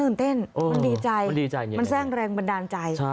มันดีใจมันแสร่งแรงมันดาวน์ใจ